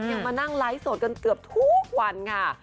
ยังมานั่งไลฟ์สดกันเกือบทุกวันค่ะ